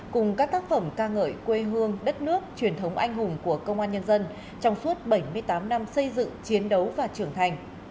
cùng các tác phẩm ca ngợi quê hương đất nước truyền thống anh hùng của công an nhân dân trong suốt bảy mươi tám năm xây dựng chiến đấu và trưởng thành